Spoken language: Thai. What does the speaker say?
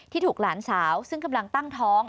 ถูกหลานสาวซึ่งกำลังตั้งท้อง